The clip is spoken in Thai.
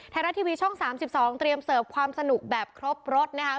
ไทยรัฐทีวีช่อง๓๒เตรียมเสิร์ฟความสนุกแบบครบรถนะคะ